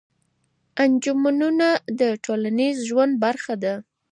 انجمنونه د ټولنيز ژوند برخه ده.